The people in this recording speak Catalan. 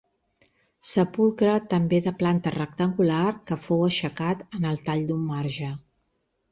Sepulcre també de planta rectangular que fou aixecat en el tall d'un marge.